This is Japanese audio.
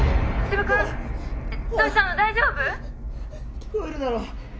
聞こえるだろ？